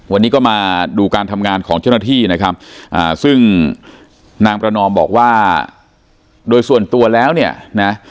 วันนี้ก็มาดูการทำงานของเจ้าหน้าที่นะครับซึ่งนางประนอมบอกว่าโดยส่วนตัวแล้วเนี่ยนะ